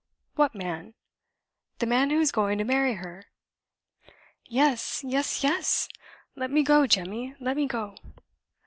"What man?" "The man who is going to marry her." "Yes! yes! yes! Let me go, Jemmy let me go."